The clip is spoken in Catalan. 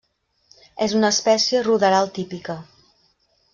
És una espècie ruderal típica.